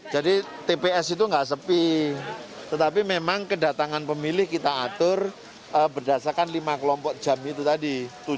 jadi tps itu nggak sepi tetapi memang kedatangan pemilih kita atur berdasarkan lima kelompok jam itu tadi